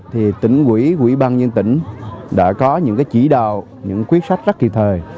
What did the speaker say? thì tỉnh quỹ quỹ ban nhân tỉnh đã có những chỉ đạo những quyết sách rất kỳ thời